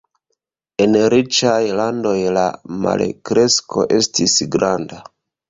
En riĉaj landoj la malkresko estis granda.